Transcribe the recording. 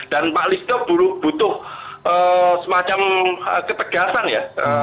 dan pak listio butuh semacam ketegasan ya